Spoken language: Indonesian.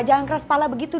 jangan keras kepala begitu